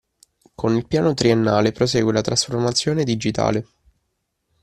Con il Piano Triennale prosegue la trasformazione digitale.